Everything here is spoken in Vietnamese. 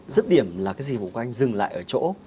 rất điểm là cái dịch vụ của anh dừng lại ở chỗ